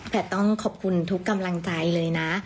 ต้องขอบคุณทุกกำลังใจเลยนะ